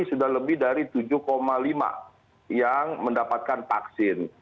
sudah lebih dari tujuh lima yang mendapatkan vaksin